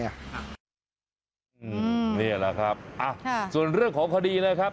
นี่แหละครับส่วนเรื่องของคดีนะครับ